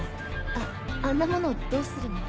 あっあんな物どうするの？